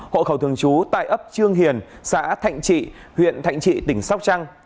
hộ khẩu thường trú tại ấp trương hiền xã thạnh trị huyện thạnh trị tỉnh sóc trăng